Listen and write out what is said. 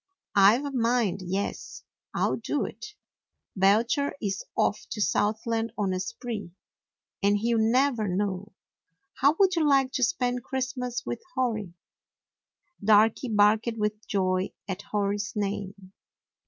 I 've a mind — yes, I 'll do it ! Belcher is off to Southland on a spree, and he 'll never know. How would you like to spend Christmas with Hori?" Darky barked with joy at Hori's name.